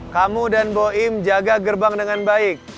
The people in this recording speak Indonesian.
kamu dan boim jaga gerbang dengan baik